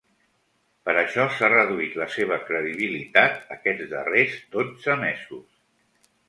Per això s'ha reduït la seva credibilitat aquests darrers dotze mesos.